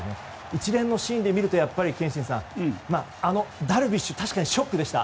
一連のシーンで見ると憲伸さん、あのダルビッシュ確かにショックでした。